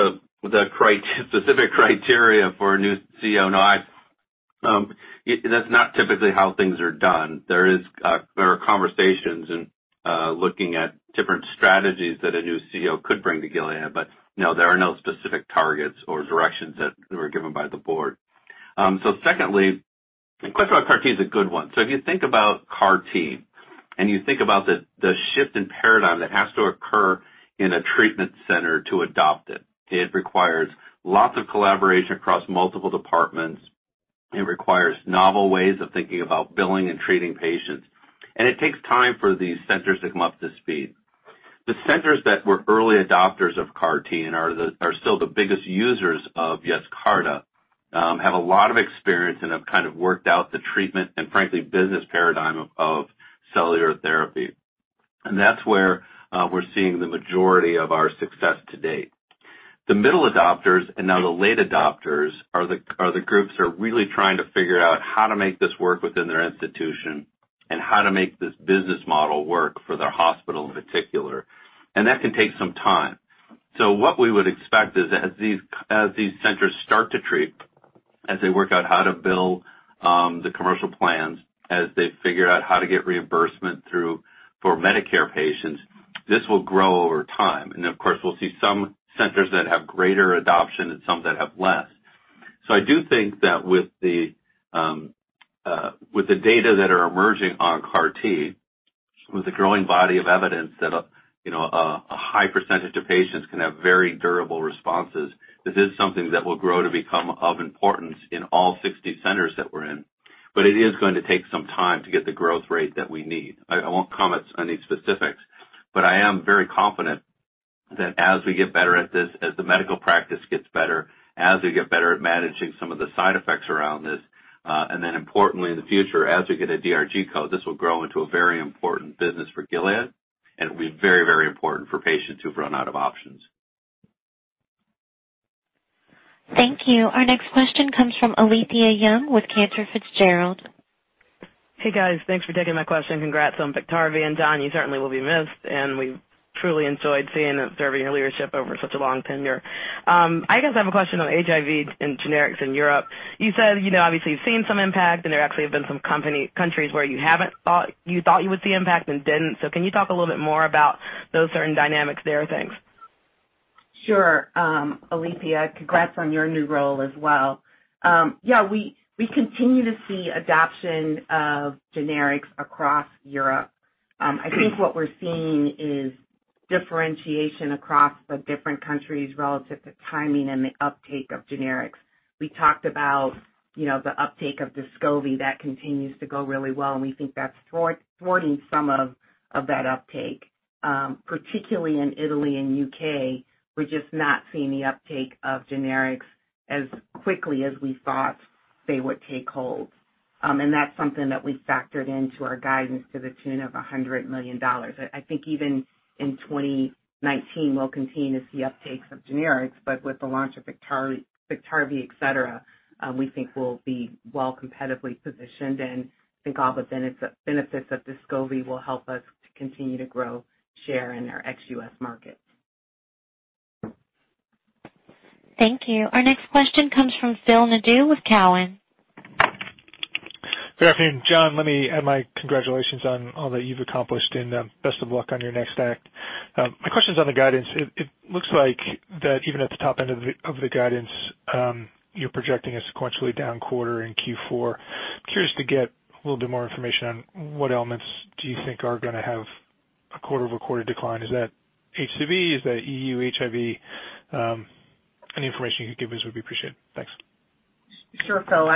the specific criteria for a new CEO. No, that's not typically how things are done. There are conversations in looking at different strategies that a new CEO could bring to Gilead, but no, there are no specific targets or directions that were given by the board. Secondly, the question about CAR T is a good one. If you think about CAR T and you think about the shift in paradigm that has to occur in a treatment center to adopt it requires lots of collaboration across multiple departments. It requires novel ways of thinking about billing and treating patients. It takes time for these centers to come up to speed. The centers that were early adopters of CAR T and are still the biggest users of Yescarta, have a lot of experience and have kind of worked out the treatment and frankly, business paradigm of cellular therapy. That's where we're seeing the majority of our success to date. The middle adopters and now the late adopters are the groups who are really trying to figure out how to make this work within their institution and how to make this business model work for their hospital in particular, and that can take some time. What we would expect is as these centers start to treat, as they work out how to bill the commercial plans, as they figure out how to get reimbursement through for Medicare patients, this will grow over time. Of course, we'll see some centers that have greater adoption and some that have less. I do think that with the data that are emerging on CAR T, with the growing body of evidence that a high % of patients can have very durable responses, this is something that will grow to become of importance in all 60 centers that we're in. It is going to take some time to get the growth rate that we need. I won't comment on any specifics, but I am very confident that as we get better at this, as the medical practice gets better, as we get better at managing some of the side effects around this, and then importantly, in the future, as we get a DRG code, this will grow into a very important business for Gilead. It will be very important for patients who've run out of options. Thank you. Our next question comes from Alethia Young with Cantor Fitzgerald. Hey, guys. Thanks for taking my question. Congrats on BIKTARVY. John, you certainly will be missed, and we truly enjoyed seeing and observing your leadership over such a long tenure. I guess I have a question on HIV and generics in Europe. You said obviously you've seen some impact, and there actually have been some countries where you thought you would see impact and didn't. Can you talk a little bit more about those certain dynamics there, thanks. Sure. Alethia, congrats on your new role as well. Yeah, we continue to see adoption of generics across Europe. I think what we're seeing is differentiation across the different countries relative to timing and the uptake of generics. We talked about the uptake of DESCOVY. That continues to go really well, and we think that's thwarting some of that uptake. Particularly in Italy and U.K., we're just not seeing the uptake of generics as quickly as we thought they would take hold. That's something that we factored into our guidance to the tune of $100 million. I think even in 2019, we'll continue to see uptakes of generics, with the launch of BIKTARVY, et cetera, we think we'll be well competitively positioned and think all the benefits of DESCOVY will help us to continue to grow share in our ex-U.S. markets. Thank you. Our next question comes from Phil Nadeau with Cowen. Good afternoon. John, let me add my congratulations on all that you've accomplished, and best of luck on your next act. My question's on the guidance. It looks like that even at the top end of the guidance, you're projecting a sequentially down quarter in Q4. Curious to get a little bit more information on what elements do you think are going to have a quarter-over-quarter decline. Is that HCV? Is that EU HIV? Any information you could give us would be appreciated. Thanks. Sure, Phil.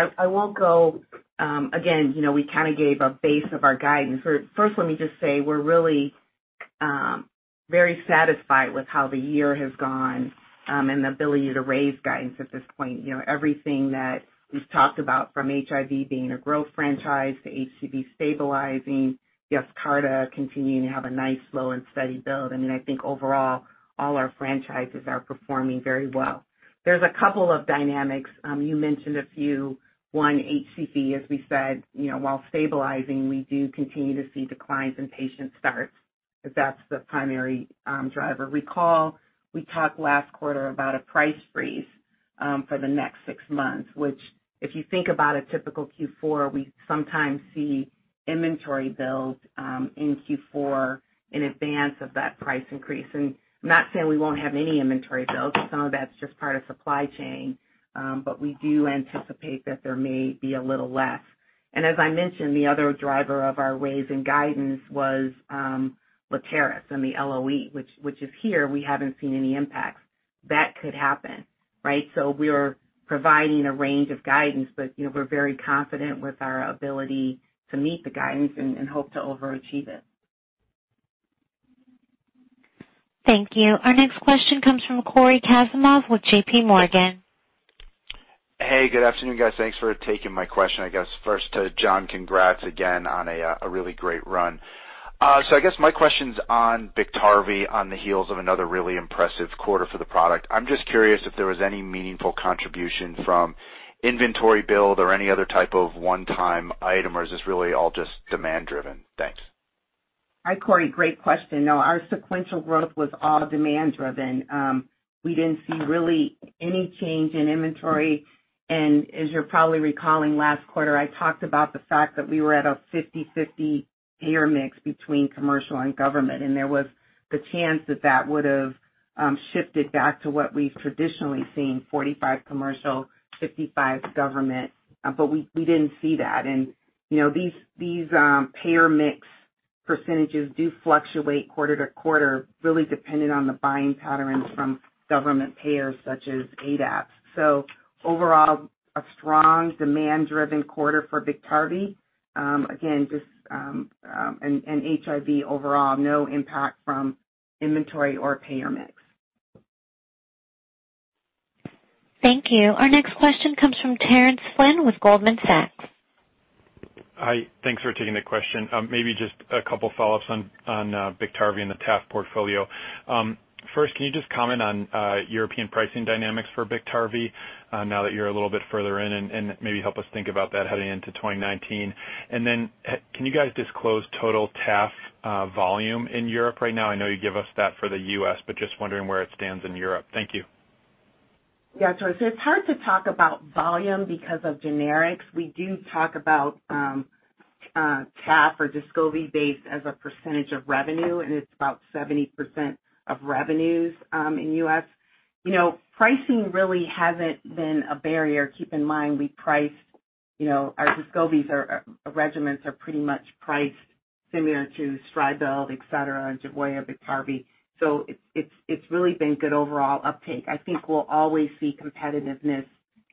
Again, we gave a base of our guidance. First, let me just say we're really very satisfied with how the year has gone and the ability to raise guidance at this point. Everything that we've talked about from HIV being a growth franchise to HCV stabilizing, Yescarta continuing to have a nice slow and steady build. I think overall, all our franchises are performing very well. There's a couple of dynamics. You mentioned a few. One, HCV, as we said, while stabilizing, we do continue to see declines in patient starts, because that's the primary driver. Recall we talked last quarter about a price freeze for the next 6 months, which, if you think about a typical Q4, we sometimes see inventory build in Q4 in advance of that price increase. I'm not saying we won't have any inventory build, because some of that's just part of supply chain. We do anticipate that there may be a little less. As I mentioned, the other driver of our raising guidance was Letairis and the LOE, which is here. We haven't seen any impacts. That could happen, right? We are providing a range of guidance, but we're very confident with our ability to meet the guidance and hope to overachieve it. Thank you. Our next question comes from Cory Kasimov with JPMorgan. Hey, good afternoon, guys. Thanks for taking my question. I guess first to John, congrats again on a really great run. I guess my question's on BIKTARVY on the heels of another really impressive quarter for the product. I'm just curious if there was any meaningful contribution from inventory build or any other type of one-time item, or is this really all just demand driven? Thanks. Hi, Cory. Great question. No, our sequential growth was all demand-driven. We didn't see really any change in inventory. As you're probably recalling, last quarter, I talked about the fact that we were at a 50-50 payer mix between commercial and government, and there was the chance that that would have shifted back to what we've traditionally seen, 45 commercial, 55 government. We didn't see that. These payer mix percentages do fluctuate quarter to quarter, really dependent on the buying patterns from government payers such as ADAP. Overall, a strong demand-driven quarter for BIKTARVY. Again, HIV overall, no impact from inventory or payer mix. Thank you. Our next question comes from Terence Flynn with Goldman Sachs. Hi. Thanks for taking the question. Maybe just a couple follow-ups on BIKTARVY and the TAF portfolio. First, can you just comment on European pricing dynamics for BIKTARVY now that you're a little bit further in and maybe help us think about that heading into 2019? Then can you guys disclose total TAF volume in Europe right now? I know you give us that for the U.S., but just wondering where it stands in Europe. Thank you. Terence, it's hard to talk about volume because of generics. We do talk about TAF or DESCOVY-based as a percentage of revenue, it's about 70% of revenues in U.S. Pricing really hasn't been a barrier. Keep in mind, our DESCOVY regimens are pretty much priced similar to Stribild, et cetera, Genvoya, BIKTARVY. It's really been good overall uptake. I think we'll always see competitiveness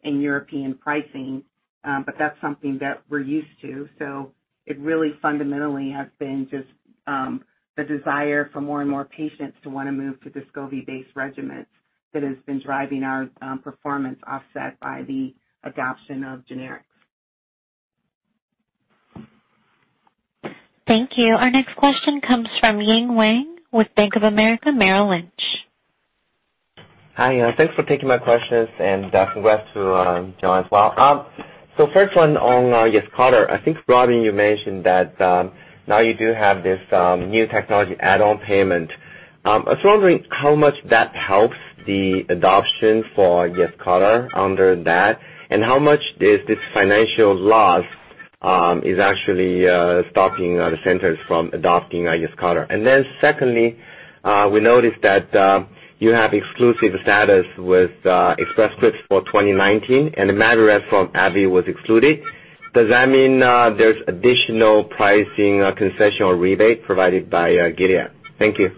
in European pricing, That's something that we're used to. It really fundamentally has been just the desire for more and more patients to want to move to DESCOVY-based regimens that has been driving our performance offset by the adoption of generics. Thank you. Our next question comes from Ying Huang with Bank of America Merrill Lynch. Hi. Thanks for taking my questions and congrats to John as well. First one on Yescarta. I think, Robin, you mentioned that now you do have this new technology add-on payment. I was wondering how much that helps the adoption for Yescarta under that, and how much this financial loss is actually stopping the centers from adopting Yescarta. Secondly, we noticed that you have exclusive status with Express Scripts for 2019, and MAVYRET from AbbVie was excluded. Does that mean there's additional pricing concession or rebate provided by Gilead? Thank you.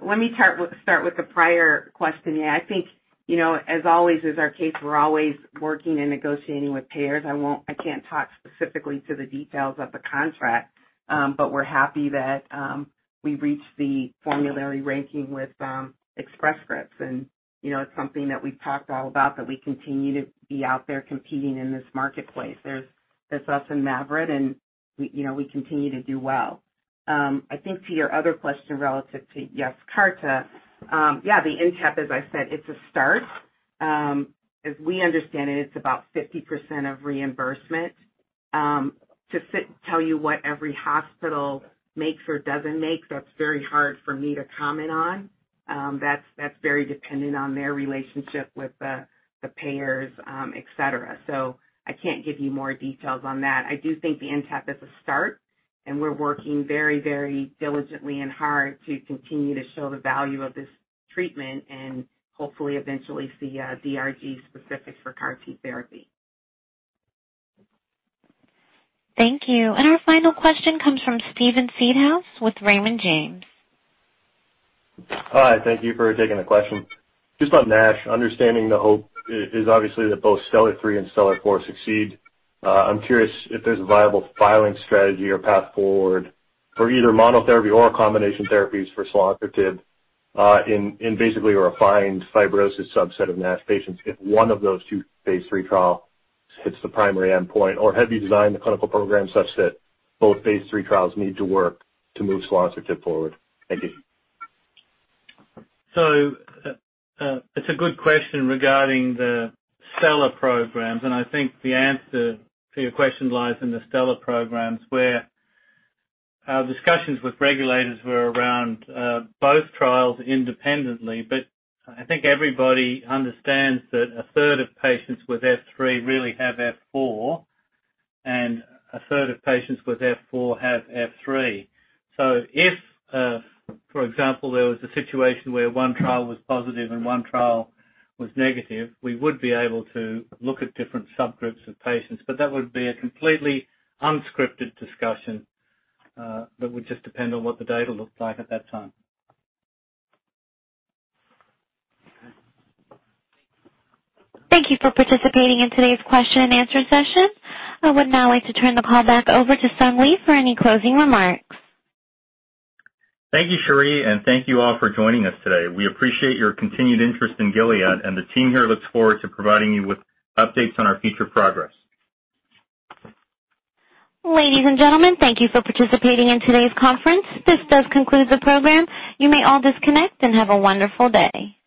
Let me start with the prior question. Yeah, I think, as always is our case, we're always working and negotiating with payers. I can't talk specifically to the details of the contract, but we're happy that we reached the formulary ranking with Express Scripts. It's something that we've talked all about, that we continue to be out there competing in this marketplace. There's us and MAVYRET, we continue to do well. I think to your other question relative to Yescarta, yeah, the NTAP, as I said, it's a start. As we understand it's about 50% of reimbursement. To tell you what every hospital makes or doesn't make, that's very hard for me to comment on. That's very dependent on their relationship with the payers, et cetera. I can't give you more details on that. I do think the NTAP is a start, we're working very diligently and hard to continue to show the value of this treatment and hopefully eventually see DRG specifics for CAR T therapy. Thank you. Our final question comes from Steven Seedhouse with Raymond James. Hi, thank you for taking the question. Just on NASH, understanding the hope is obviously that both STELLAR-3 and STELLAR-4 succeed. I'm curious if there's a viable filing strategy or path forward for either monotherapy or combination therapies for selonsertib in basically a refined fibrosis subset of NASH patients if one of those two phase III trial hits the primary endpoint. Have you designed the clinical program such that both phase III trials need to work to move selonsertib forward? Thank you. It's a good question regarding the STELLAR programs, and I think the answer to your question lies in the STELLAR programs, where our discussions with regulators were around both trials independently. I think everybody understands that a third of patients with F3 really have F4, and a third of patients with F4 have F3. If, for example, there was a situation where one trial was positive and one trial was negative, we would be able to look at different subgroups of patients. That would be a completely unscripted discussion that would just depend on what the data looked like at that time. Thank you for participating in today's question and answer session. I would now like to turn the call back over to Sung Lee for any closing remarks. Thank you, Cherie, and thank you all for joining us today. We appreciate your continued interest in Gilead Sciences, and the team here looks forward to providing you with updates on our future progress. Ladies and gentlemen, thank you for participating in today's conference. This does conclude the program. You may all disconnect, and have a wonderful day.